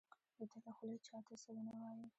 د ده له خولې چا ته څه ونه وایي.